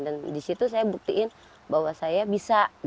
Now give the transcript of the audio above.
dan disitu saya buktiin bahwa saya bisa